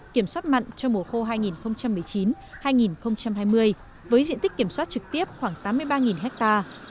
kiểm soát mặn trong mùa khô hai nghìn một mươi chín hai nghìn hai mươi với diện tích kiểm soát trực tiếp khoảng tám mươi ba hectare